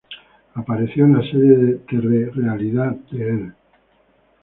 Apareció en la serie de telerrealidad de E!